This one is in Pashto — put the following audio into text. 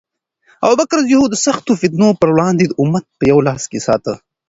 ابوبکر رض د سختو فتنو پر وړاندې امت په یو لاس کې وساته.